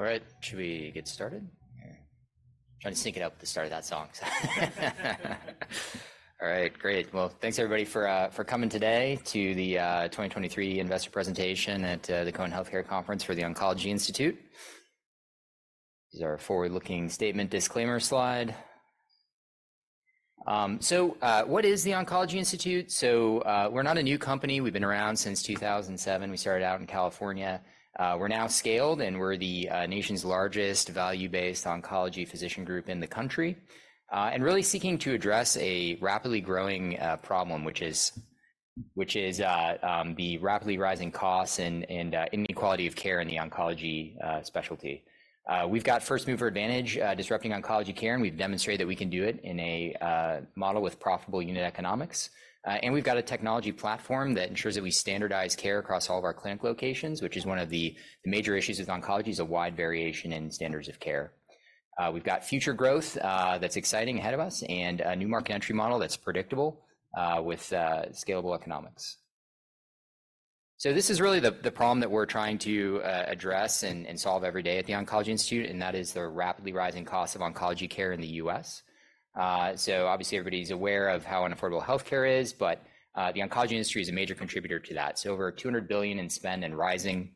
All right. Should we get started? I'm trying to sneak it out with the start of that song. All right, great. Well, thanks everybody for coming today to the 2023 investor presentation at the Cowen Healthcare Conference for The Oncology Institute. This is our forward-looking statement disclaimer slide. So, what is The Oncology Institute? So, we're not a new company. We've been around since 2007. We started out in California. We're now scaled, and we're the nation's largest value-based oncology physician group in the country, and really seeking to address a rapidly growing problem, which is the rapidly rising costs and inequality of care in the oncology specialty. We've got first-mover advantage, disrupting oncology care, and we've demonstrated that we can do it in a model with profitable unit economics. We've got a technology platform that ensures that we standardize care across all of our clinic locations, which is one of the major issues with oncology: a wide variation in standards of care. We've got future growth that's exciting ahead of us and a new market entry model that's predictable with scalable economics. So this is really the problem that we're trying to address and solve every day at the Oncology Institute, and that is the rapidly rising costs of oncology care in the U.S. So obviously everybody's aware of how unaffordable healthcare is, but the oncology industry is a major contributor to that. So over $200 billion in spend and rising.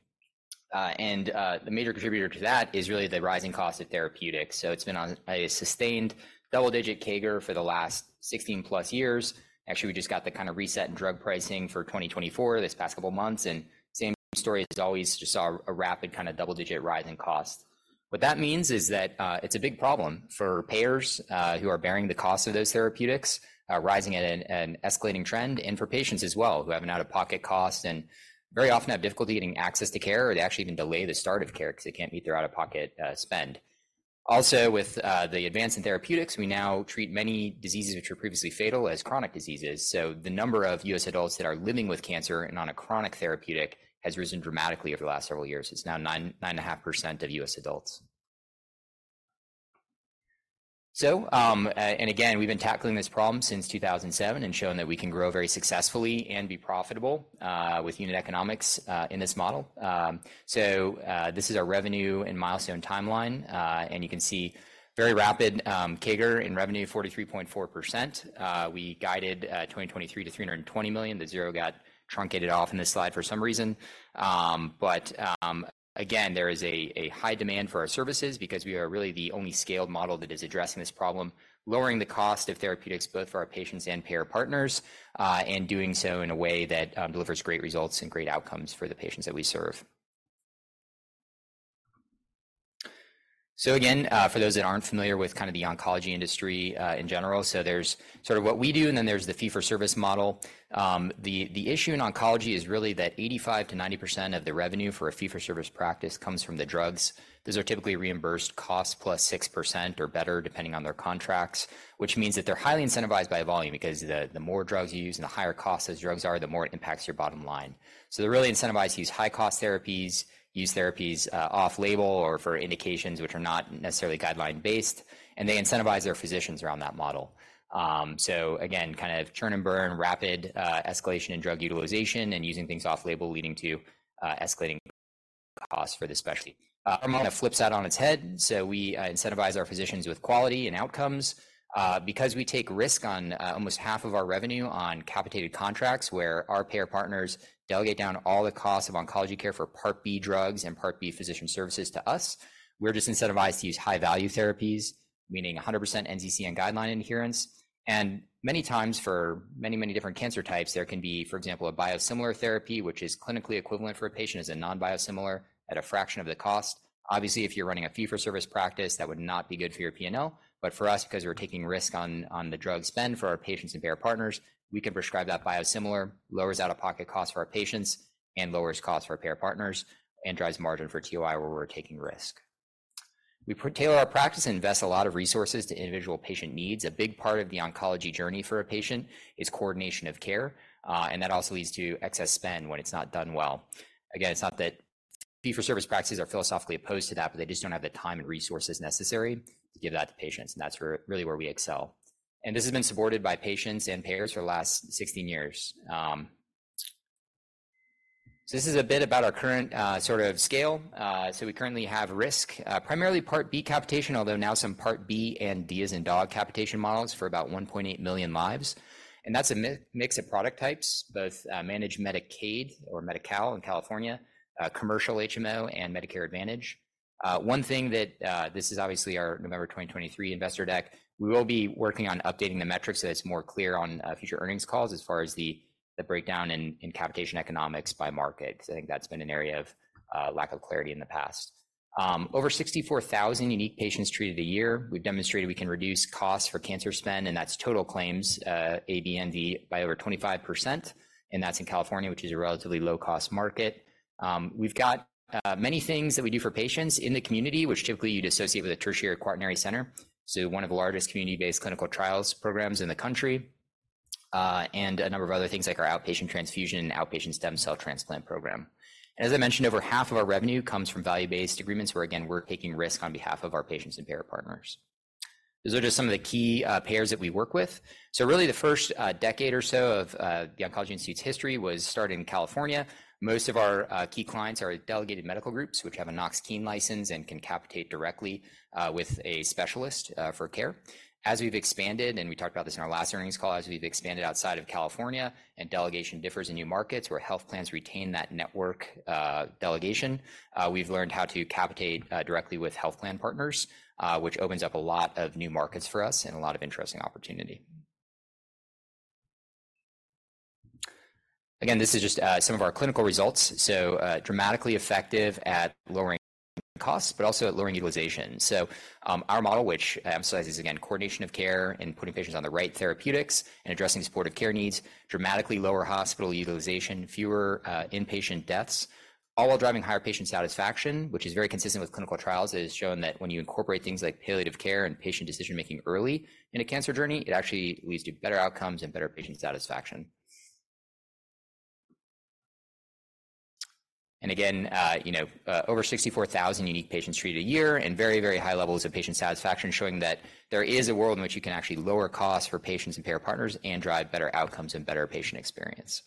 The major contributor to that is really the rising cost of therapeutics. So it's been on a sustained double-digit CAGR for the last 16+ years. Actually, we just got the kind of reset in drug pricing for 2024 this past couple of months, and same story as always. Just saw a rapid kind of double-digit rise in costs. What that means is that, it's a big problem for payers, who are bearing the costs of those therapeutics, rising in an escalating trend, and for patients as well who have an out-of-pocket cost and very often have difficulty getting access to care, or they actually even delay the start of care because they can't meet their out-of-pocket, spend. Also, with, the advance in therapeutics, we now treat many diseases which were previously fatal as chronic diseases. So the number of U.S. adults that are living with cancer and on a chronic therapeutic has risen dramatically over the last several years. It's now 9.5% of U.S. adults. So, and again, we've been tackling this problem since 2007 and shown that we can grow very successfully and be profitable, with unit economics, in this model. So, this is our revenue and milestone timeline, and you can see very rapid CAGR in revenue, 43.4%. We guided 2023 to $320 million. The zero got truncated off in this slide for some reason. But, again, there is a high demand for our services because we are really the only scaled model that is addressing this problem, lowering the cost of therapeutics both for our patients and payer partners, and doing so in a way that delivers great results and great outcomes for the patients that we serve. So again, for those that aren't familiar with kind of the oncology industry, in general, so there's sort of what we do, and then there's the fee-for-service model. The issue in oncology is really that 85%-90% of the revenue for a fee-for-service practice comes from the drugs. Those are typically reimbursed costs plus 6% or better depending on their contracts, which means that they're highly incentivized by volume because the more drugs you use and the higher costs those drugs are, the more it impacts your bottom line. So they're really incentivized to use high-cost therapies, use therapies off-label or for indications which are not necessarily guideline-based, and they incentivize their physicians around that model. So again, kind of churn and burn, rapid escalation in drug utilization and using things off-label leading to escalating costs for this specialty. Our model kind of flips out on its head. So we incentivize our physicians with quality and outcomes. because we take risk on almost half of our revenue on capitated contracts where our payer partners delegate down all the costs of oncology care for Part B drugs and Part B physician services to us, we're just incentivized to use high-value therapies, meaning 100% NCCN guideline adherence. And many times for many, many different cancer types, there can be, for example, a biosimilar therapy, which is clinically equivalent for a patient as a non-biosimilar at a fraction of the cost. Obviously, if you're running a fee-for-service practice, that would not be good for your P&L. But for us, because we're taking risk on the drug spend for our patients and payer partners, we can prescribe that biosimilar, lowers out-of-pocket costs for our patients and lowers costs for our payer partners and drives margin for TOI where we're taking risk. We tailor our practice and invest a lot of resources to individual patient needs. A big part of the oncology journey for a patient is coordination of care, and that also leads to excess spend when it's not done well. Again, it's not that fee-for-service practices are philosophically opposed to that, but they just don't have the time and resources necessary to give that to patients. That's really where we excel. This has been supported by patients and payers for the last 16 years. This is a bit about our current, sort of scale. We currently have risk, primarily Part B capitation, although now some Part B and D capitation models for about 1.8 million lives. That's a mix of product types, both managed Medicaid or MediCAL in California, commercial HMO, and Medicare Advantage. One thing that this is obviously our November 2023 investor deck. We will be working on updating the metrics so that it's more clear on future earnings calls as far as the breakdown in capitation economics by market because I think that's been an area of lack of clarity in the past. Over 64,000 unique patients treated a year. We've demonstrated we can reduce costs for cancer spend, and that's total claims, Part A, B, and D by over 25%. That's in California, which is a relatively low-cost market. We've got many things that we do for patients in the community, which typically you'd associate with a tertiary quaternary center. So one of the largest community-based clinical trials programs in the country, and a number of other things like our outpatient transfusion and outpatient stem cell transplant program. As I mentioned, over half of our revenue comes from value-based agreements where, again, we're taking risk on behalf of our patients and payer partners. Those are just some of the key payers that we work with. Really, the first decade or so of the Oncology Institute's history was started in California. Most of our key clients are delegated medical groups, which have a Knox-Keene license and can capitate directly with a specialist for care. As we've expanded, and we talked about this in our last earnings call, as we've expanded outside of California and delegation differs in new markets where health plans retain that network delegation, we've learned how to capitate directly with health plan partners, which opens up a lot of new markets for us and a lot of interesting opportunity. Again, this is just some of our clinical results. So, dramatically effective at lowering costs, but also at lowering utilization. So, our model, which emphasizes, again, coordination of care and putting patients on the right therapeutics and addressing supportive care needs, dramatically lower hospital utilization, fewer inpatient deaths, all while driving higher patient satisfaction, which is very consistent with clinical trials that has shown that when you incorporate things like palliative care and patient decision-making early in a cancer journey, it actually leads to better outcomes and better patient satisfaction. And again, you know, over 64,000 unique patients treated a year and very, very high levels of patient satisfaction showing that there is a world in which you can actually lower costs for patients and payer partners and drive better outcomes and better patient experience.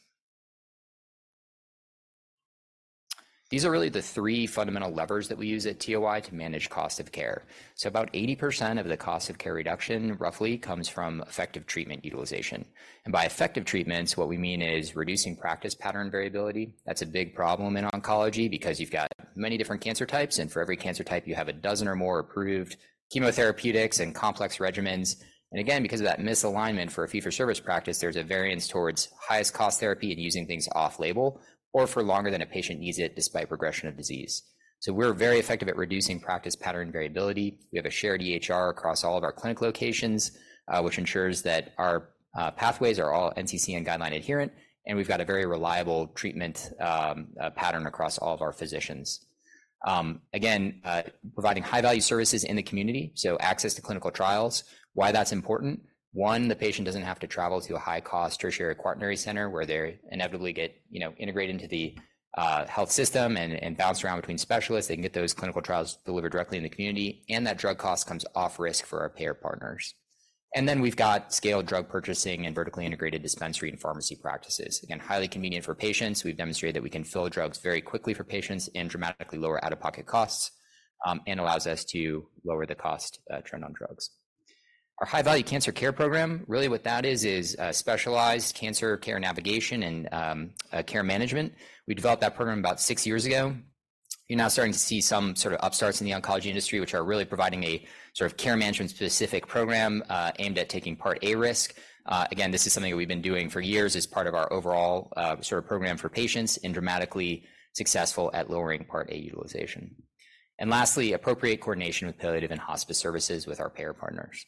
These are really the three fundamental levers that we use at TOI to manage cost of care. So about 80% of the cost of care reduction, roughly, comes from effective treatment utilization. By effective treatments, what we mean is reducing practice pattern variability. That's a big problem in oncology because you've got many different cancer types, and for every cancer type, you have a dozen or more approved chemotherapeutics and complex regimens. Again, because of that misalignment for a fee-for-service practice, there's a variance towards highest-cost therapy and using things off-label or for longer than a patient needs it despite progression of disease. So we're very effective at reducing practice pattern variability. We have a shared EHR across all of our clinic locations, which ensures that our pathways are all NCCN guideline adherent, and we've got a very reliable treatment pattern across all of our physicians. Again, providing high-value services in the community, so access to clinical trials. Why that's important? One, the patient doesn't have to travel to a high-cost tertiary quaternary center where they inevitably get, you know, integrated into the health system and bounce around between specialists. They can get those clinical trials delivered directly in the community, and that drug cost comes off-risk for our payer partners. And then we've got scaled drug purchasing and vertically integrated dispensary and pharmacy practices. Again, highly convenient for patients. We've demonstrated that we can fill drugs very quickly for patients and dramatically lower out-of-pocket costs, and allows us to lower the cost trend on drugs. Our High-Value Cancer Care Program, really what that is, is specialized cancer care navigation and care management. We developed that program about six years ago. You're now starting to see some sort of upstarts in the oncology industry, which are really providing a sort of care management-specific program, aimed at taking Part A risk. Again, this is something that we've been doing for years as part of our overall, sort of program for patients and dramatically successful at lowering Part A utilization. And lastly, appropriate coordination with palliative and hospice services with our payer partners.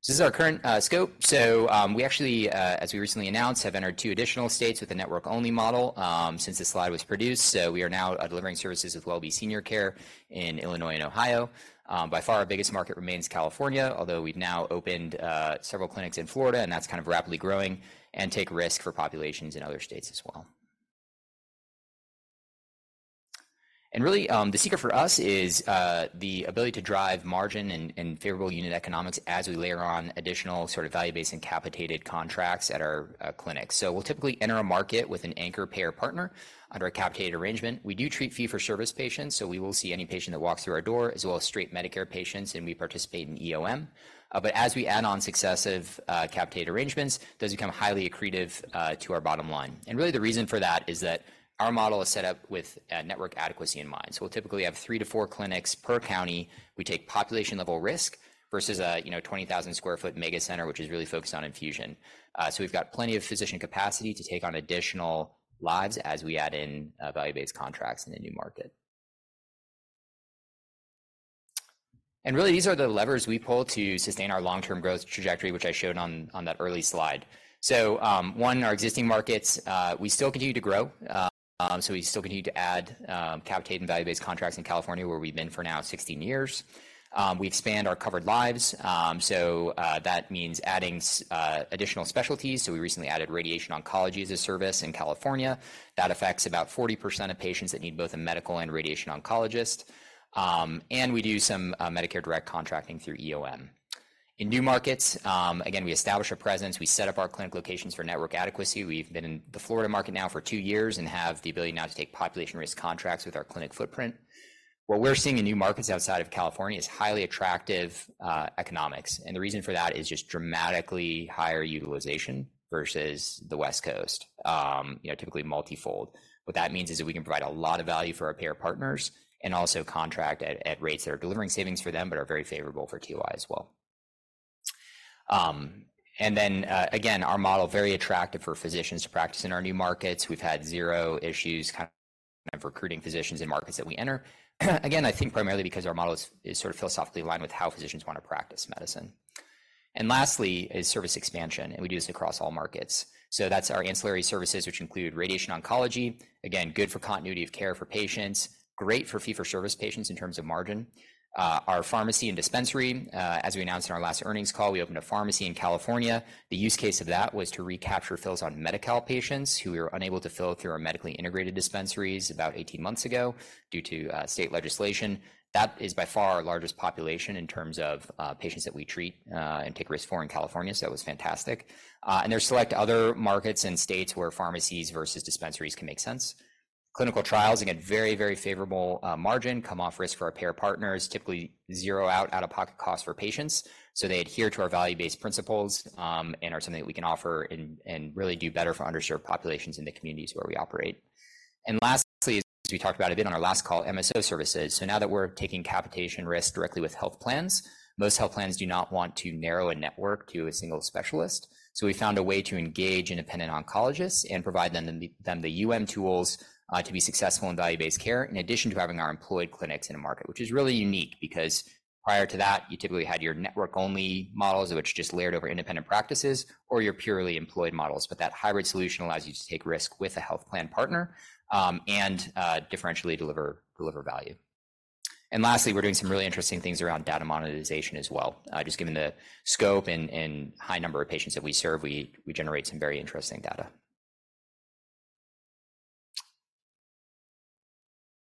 So this is our current scope. So, we actually, as we recently announced, have entered two additional states with a network-only model, since this slide was produced. So we are now delivering services with WellBe Senior Care in Illinois and Ohio. By far, our biggest market remains California, although we've now opened several clinics in Florida, and that's kind of rapidly growing and take risk for populations in other states as well. And really, the secret for us is the ability to drive margin and, and favorable unit economics as we layer on additional sort of value-based and capitated contracts at our clinics. So we'll typically enter a market with an anchor payer partner under a capitated arrangement. We do treat fee-for-service patients, so we will see any patient that walks through our door as well as straight Medicare patients, and we participate in EOM. But as we add on successive capitated arrangements, those become highly accretive to our bottom line. And really, the reason for that is that our model is set up with network adequacy in mind. So we'll typically have three to four clinics per county. We take population-level risk versus a, you know, 20,000 sq ft mega center, which is really focused on infusion. So we've got plenty of physician capacity to take on additional lives as we add in value-based contracts in a new market. And really, these are the levers we pull to sustain our long-term growth trajectory, which I showed on that early slide. So, one, our existing markets, we still continue to grow. So we still continue to add capitated and value-based contracts in California where we've been for now 16 years. We expand our covered lives. So, that means adding additional specialties. So we recently added radiation oncology as a service in California. That affects about 40% of patients that need both a medical and radiation oncologist. And we do some Medicare direct contracting through EOM. In new markets, again, we establish a presence. We set up our clinic locations for network adequacy. We've been in the Florida market now for two years and have the ability now to take population-risk contracts with our clinic footprint. What we're seeing in new markets outside of California is highly attractive economics. And the reason for that is just dramatically higher utilization versus the West Coast, you know, typically multifold. What that means is that we can provide a lot of value for our payer partners and also contract at, at rates that are delivering savings for them but are very favorable for TOI as well. Then, again, our model very attractive for physicians to practice in our new markets. We've had zero issues kind of recruiting physicians in markets that we enter. Again, I think primarily because our model is, is sort of philosophically aligned with how physicians want to practice medicine. And lastly is service expansion. And we do this across all markets. So that's our ancillary services, which include radiation oncology. Again, good for continuity of care for patients, great for fee-for-service patients in terms of margin. Our pharmacy and dispensary, as we announced in our last earnings call, we opened a pharmacy in California. The use case of that was to recapture fills on MediCAL patients who were unable to fill through our medically integrated dispensaries about 18 months ago due to state legislation. That is by far our largest population in terms of patients that we treat and take risk for in California. So that was fantastic. And there's select other markets and states where pharmacies versus dispensaries can make sense. Clinical trials, again, very, very favorable margin, come off risk for our payer partners, typically zero out-of-pocket costs for patients. So they adhere to our value-based principles, and are something that we can offer and really do better for underserved populations in the communities where we operate. And lastly, as we talked about a bit on our last call, MSO services. So now that we're taking capitation risk directly with health plans, most health plans do not want to narrow a network to a single specialist. So we found a way to engage independent oncologists and provide them the tools to be successful in value-based care in addition to having our employed clinics in a market, which is really unique because prior to that, you typically had your network-only models which just layered over independent practices or your purely employed models. But that hybrid solution allows you to take risk with a health plan partner, and differentially deliver value. And lastly, we're doing some really interesting things around data monetization as well, just given the scope and high number of patients that we serve; we generate some very interesting data.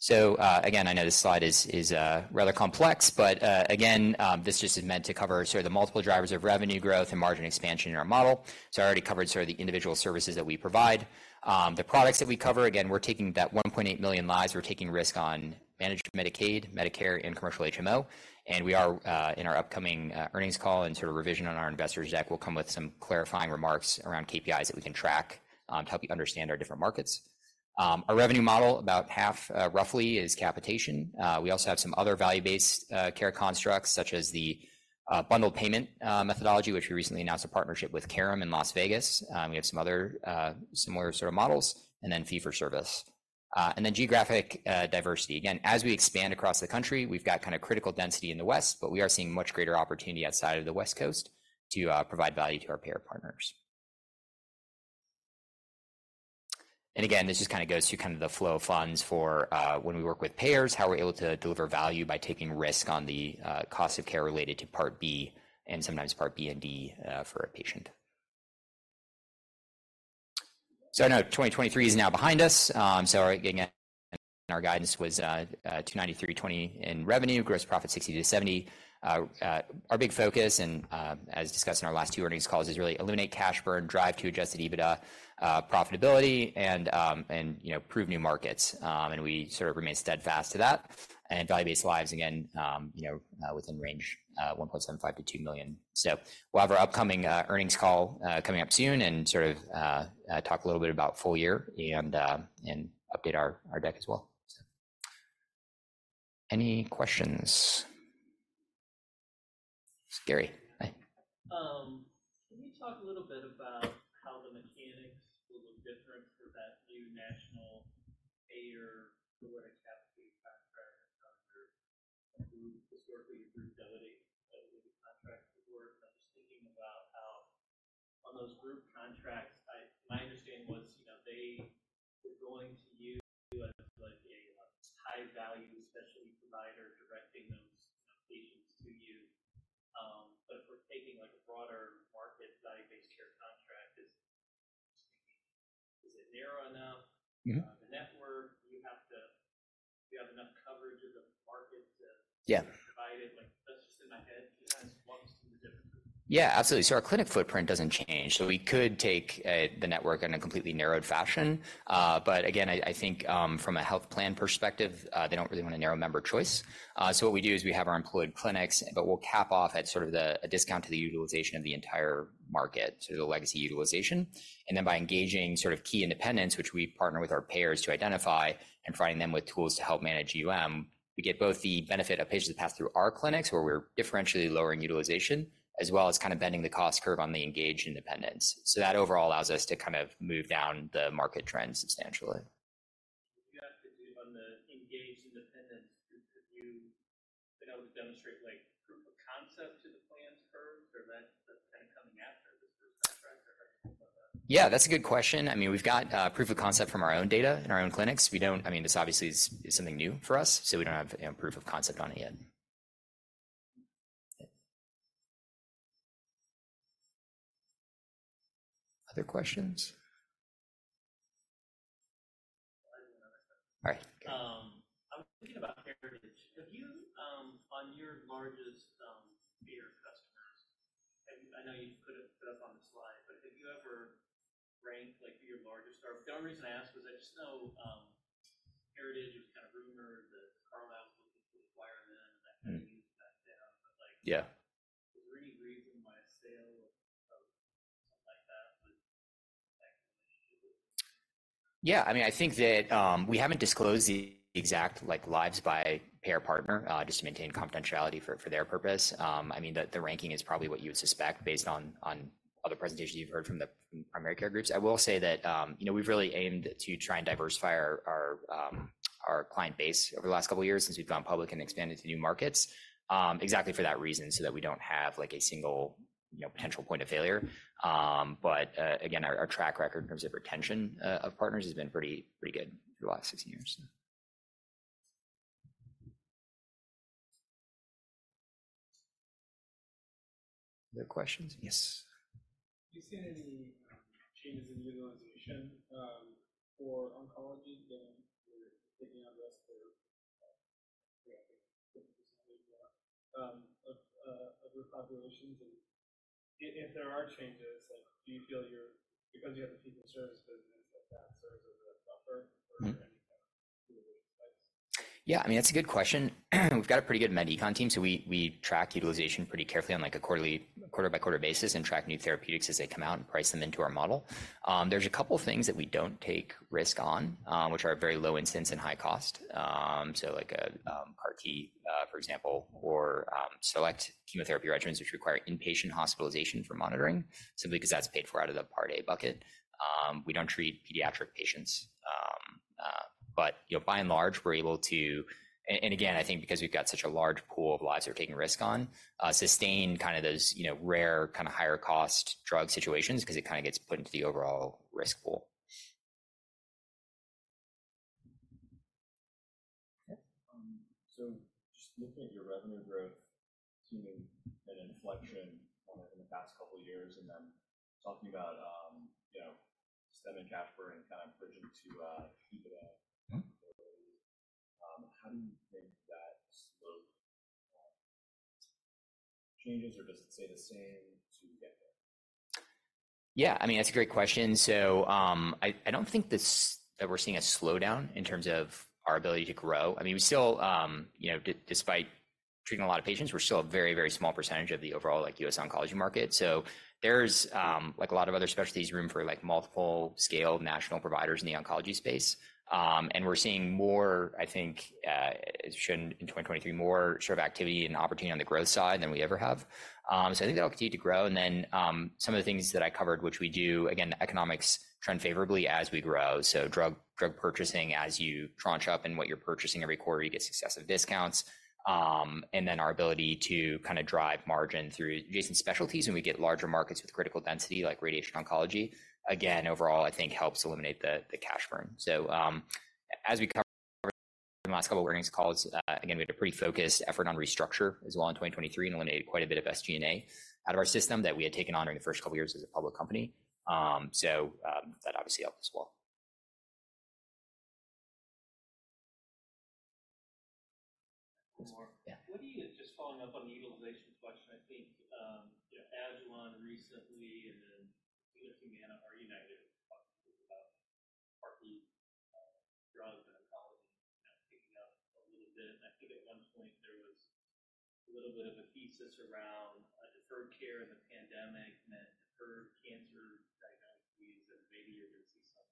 So, again, I know this slide is rather complex, but, again, this just is meant to cover sort of the multiple drivers of revenue growth and margin expansion in our model. So I already covered sort of the individual services that we provide. The products that we cover, again, we're taking that 1.8 million lives. We're taking risk on managed Medicaid, Medicare, and commercial HMO. And we are, in our upcoming earnings call and sort of revision on our investors deck, we'll come with some clarifying remarks around KPIs that we can track, to help you understand our different markets. Our revenue model, about half, roughly, is capitation. We also have some other value-based care constructs such as the bundled payment methodology, which we recently announced a partnership with Carrum in Las Vegas. We have some other similar sort of models, and then fee-for-service. And then geographic diversity. Again, as we expand across the country, we've got kind of critical density in the West, but we are seeing much greater opportunity outside of the West Coast to provide value to our payer partners. And again, this just kind of goes to kind of the flow of funds for when we work with payers, how we're able to deliver value by taking risk on the cost of care related to Part B and sometimes Part B and D for a patient. So I know 2023 is now behind us. So again, our guidance was $293 million-$320 million in revenue, gross profit $60 million-$70 million. Our big focus, and as discussed in our last two earnings calls, is really eliminate cash burn, drive to Adjusted EBITDA profitability, and you know, prove new markets. We sort of remain steadfast to that. Value-based lives, again, you know, within range, 1.75 million-2 million. So we'll have our upcoming earnings call coming up soon and sort of talk a little bit about full year and update our deck as well. So, any questions? It's Gary. Hi. Can you talk a little bit about how the mechanics will look different for that new national payer for what a capitated contract is on your group, historically your group delegated contracts that work? And I'm just thinking about how on those group contracts, my understanding was, you know, they were going to. You as like a high-value specialty provider directing those, you know, patients to you. But if we're taking like a broader market value-based care contract, is it narrow enough? The network, you have to, you have enough coverage of the market to provide it. Like, that's just in my head. Can you kind of walk us through the differences? Yeah, absolutely. So our clinic footprint doesn't change. So we could take the network in a completely narrowed fashion. But again, I think, from a health plan perspective, they don't really want to narrow member choice. So what we do is we have our employed clinics, but we'll cap off at sort of a discount to the utilization of the entire market, sort of the legacy utilization. And then by engaging sort of key independents, which we partner with our payers to identify and providing them with tools to help manage EOM, we get both the benefit of patients that pass through our clinics where we're differentially lowering utilization as well as kind of bending the cost curve on the engaged independents. So that overall allows us to kind of move down the market trend substantially. What do you have to do on the engaged independents? Have you been able to demonstrate like proof of concept to the plan's purpose? Or is that, that's kind of coming after this first contract? Or how do you think about that? Yeah, that's a good question. I mean, we've got, proof of concept from our own data in our own clinics. We don't, I mean, this obviously is, is something new for us, so we don't have, you know, proof of concept on it yet. Other questions? All right. I'm thinking about Heritage. Have you, on your largest, payer customers, have you, I know you put it, put it up on the slide, but have you ever ranked like your largest? The only reason I asked was I just know, Heritage was kind of rumored that Carrum was looking to acquire them and that kind of news back then. But like, was there any reason why a sale of something like that would affect the relationship with? Yeah, I mean, I think that we haven't disclosed the exact like lives by payer partner, just to maintain confidentiality for their purpose. I mean, the ranking is probably what you would suspect based on other presentations you've heard from the primary care groups. I will say that, you know, we've really aimed to try and diversify our client base over the last couple of years since we've gone public and expanded to new markets, exactly for that reason so that we don't have like a single, you know, potential point of failure. But again, our track record in terms of retention of partners has been pretty, pretty good for the last 16 years. Other questions? Yes. Have you seen any changes in utilization for oncology given you're taking on risk for 50% maybe more of your populations? And if there are changes, like, do you feel you're, because you have the fee-for-service business, that serves as a buffer for any kind of utilization spikes? Yeah, I mean, that's a good question. We've got a pretty good [Med Econ] team, so we track utilization pretty carefully on like a quarterly, quarter-by-quarter basis and track new therapeutics as they come out and price them into our model. There's a couple of things that we don't take risk on, which are very low incidence and high cost. So like a CAR-T, for example, or select chemotherapy regimens which require inpatient hospitalization for monitoring simply because that's paid for out of the Part A bucket. We don't treat pediatric patients. But, you know, by and large, we're able to, and, and again, I think because we've got such a large pool of lives that are taking risk on, sustain kind of those, you know, rare kind of higher cost drug situations because it kind of gets put into the overall risk pool. Yes. So just looking at your revenue growth, seeing an inflection on it in the past couple of years and then talking about, you know, systemic capitation and kind of bridging to EBITDA, how do you think that slope changes or does it stay the same to get there? Yeah, I mean, that's a great question. So, I, I don't think that we're seeing a slowdown in terms of our ability to grow. I mean, we still, you know, despite treating a lot of patients, we're still a very, very small percentage of the overall like U.S. oncology market. So there's, like a lot of other specialties, room for like multiple-scale national providers in the oncology space. And we're seeing more, I think, as we should in 2023, more sort of activity and opportunity on the growth side than we ever have. So I think that'll continue to grow. And then, some of the things that I covered, which we do, again, the economics trend favorably as we grow. So drug, drug purchasing as you tranche up and what you're purchasing every quarter, you get successive discounts. And then our ability to kind of drive margin through adjacent specialties when we get larger markets with critical density like radiation oncology, again, overall, I think helps eliminate the cash burn. So, as we covered in the last couple of earnings calls, again, we had a pretty focused effort on restructure as well in 2023 and eliminated quite a bit of SG&A out of our system that we had taken on during the first couple of years as a public company. So, that obviously helped as well. What do you, just following up on the utilization question, I think, you know, [Avalon] recently and then Humana, or United, talked about Part B drugs and oncology, you know, picking up a little bit. And I think at one point there was a little bit of a thesis around a deferred care in the pandemic meant deferred cancer diagnoses and maybe you're going to see some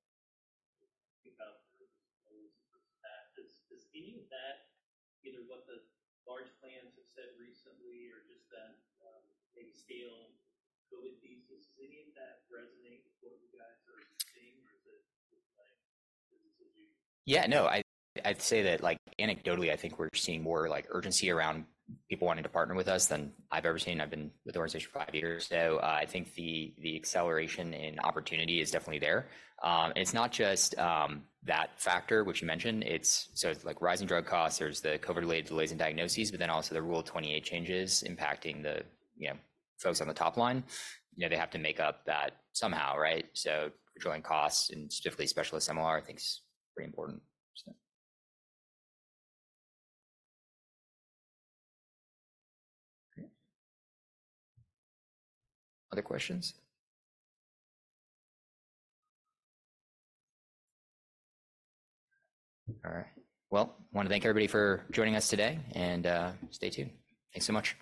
pick up or disclose. Is that any of that either what the large plans have said recently or just that, maybe stale COVID thesis? Does any of that resonate with what you guys are seeing or is it just like business as usual? Yeah, no, I, I'd say that like anecdotally, I think we're seeing more like urgency around people wanting to partner with us than I've ever seen. I've been with the organization five years. So, I think the, the acceleration in opportunity is definitely there. And it's not just that factor which you mentioned. It's, so it's like rising drug costs. There's the COVID-related delays in diagnoses, but then also the Rule 28 changes impacting the, you know, folks on the top line. You know, they have to make up that somehow, right? So controlling costs and specifically specialist care I think is pretty important. Great. Other questions? All right. Well, I want to thank everybody for joining us today and stay tuned. Thanks so much.